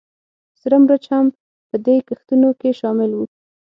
سره مرچ هم په دې کښتونو کې شامل وو